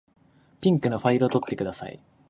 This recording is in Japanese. ピンクのファイルを取ってください。